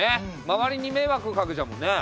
周りに迷惑かけちゃうもんね。